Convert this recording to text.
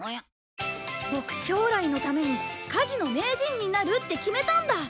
ボク将来のために家事の名人になるって決めたんだ！